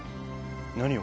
何を？